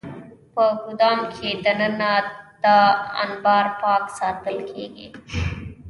په ګدام کې دننه دا انبار پاک ساتل کېږي.